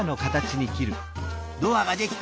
ドアができた！